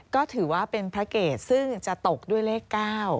ก็ถือว่าเป็นพระเกตซึ่งจะตกด้วยเลข๙